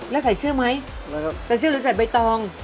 แล้วใส่เสื้อไหมใส่เสื้อหรือใส่ใบตอง